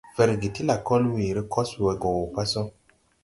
Ferge ti lakol weere kos we go pa so.